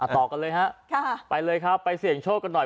ต่อกันเลยครับไปเสียงโชคกันหน่อย